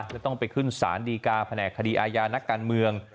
จะต้องไปขึ้นศาลดีกาแผนกคดีอาญานักการเมือง